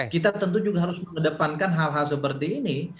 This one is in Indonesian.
kita tentu juga harus mengedepankan hal hal seperti ini